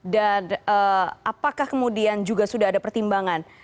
dan apakah kemudian juga sudah ada pertimbangan